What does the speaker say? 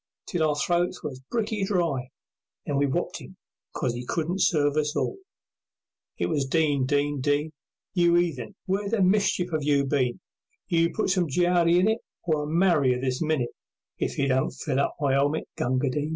Till our throats were bricky dry, Then we wopped him 'cause 'e couldn't serve us all. It was "Din! Din! Din! You 'eathen, where the mischief 'ave you been? You put some juldee in it Or I'll marrow you this minute If you don't fill up my helmet, Gunga Din!"